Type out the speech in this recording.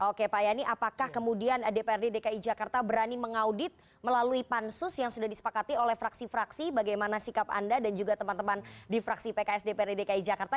oke pak yani apakah kemudian dprd dki jakarta berani mengaudit melalui pansus yang sudah disepakati oleh fraksi fraksi bagaimana sikap anda dan juga teman teman di fraksi pks dprd dki jakarta